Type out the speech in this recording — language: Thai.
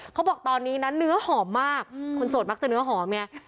เขาบอกตอนนี้นะเนื้อหอมมากคนโสดมักจะเนื้อหอมไง